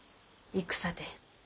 戦で？